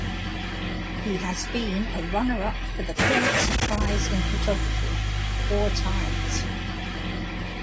He has been a runner-up for the Pulitzer Prize in photography four times.